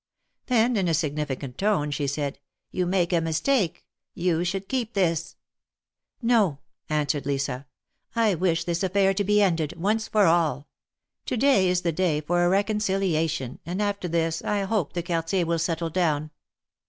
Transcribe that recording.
Then in a significant tone she said: You make a mistake. You should keep this." No," answered Lisa ;" I wish this affair to be ended, once for all. To day is the day for a reconciliation, and after tliis I hope the Quartier will settle down."